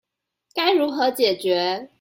該如何解決